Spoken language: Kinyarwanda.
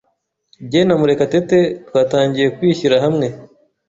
Jye na Murekatete twatangiye kwishyira hamwe.